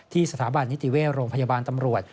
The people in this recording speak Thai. สถาบันนิติเวศโรงพยาบาลตำรวจ